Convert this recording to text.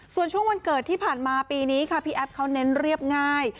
ส่วนช่วงวันเกิดที่ผ่านมาปีนี้ค่ะพี่แอฟเขาเน้นเรียบง่าย